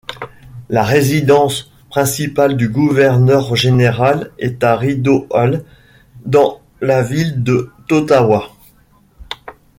La résidence principale du Gouverneur général est à Rideau Hall, dans la ville d'Ottawa.